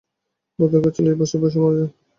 ভদ্রলোক চল্লিশ বছর বয়সে মারা যান।